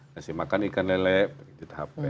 nasi makan ikan lele pijit hp